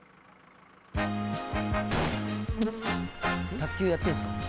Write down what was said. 卓球やってんすか？